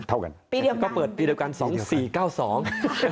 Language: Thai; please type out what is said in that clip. เท่ากันปีเดียวก็เปิดปีเดียวกันสองสี่เก้าสอง